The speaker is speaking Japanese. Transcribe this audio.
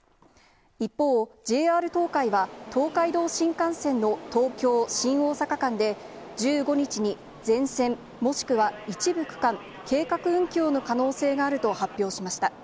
一方、ＪＲ東海は、東海道新幹線の東京・新大阪間で、１５日に全線もしくは一部区間、計画運休の可能性があると発表しました。